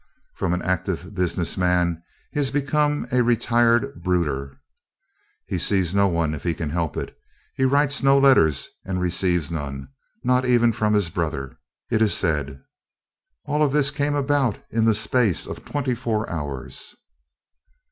From an active business man, he has become a retired brooder. He sees no one if he can help it. He writes no letters and receives none, not even from his brother, it is said. And all of this came about in the space of twenty four hours."